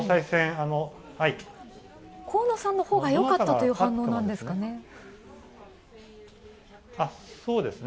河野さんのほうがよかったという反応なんですかね？